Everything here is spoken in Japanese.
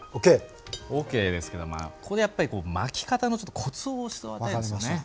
ＯＫですけどここでやっぱり巻き方のコツを教わりたいですよね。